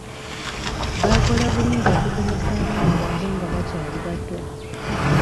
Baakola bulungi okugemesa abaana baabwe nga bakyali bato.